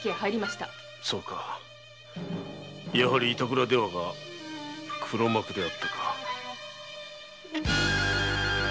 そうかやはり板倉出羽守が黒幕であったか。